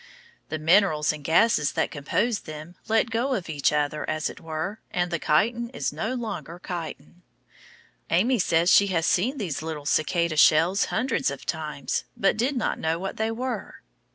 The minerals and gases that compose them let go of each other, as it were, and the chitin is no longer chitin. Amy says she has seen these little cicada shells hundreds of times but did not know what they were.